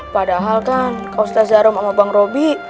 padahal kan kau setasiarun sama bang robi